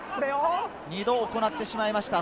２度行ってしまいました。